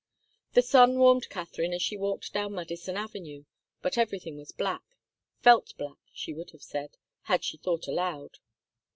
The sun warmed Katharine as she walked down Madison Avenue, but everything was black felt black, she would have said, had she thought aloud.